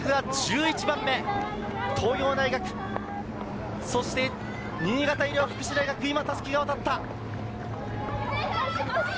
筑波大学が１１番目、東洋大学、そして新潟医療福祉大学、今、襷が渡った。